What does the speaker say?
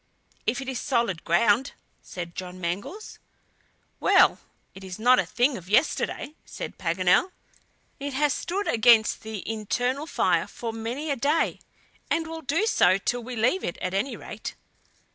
"If it is solid ground," said John Mangles. "Well! it is not a thing of yesterday," said Paganel. "It has stood against the internal fire for many a day, and will do so till we leave it, at any rate."